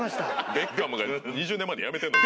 ベッカムが２０年前でやめてるのよ。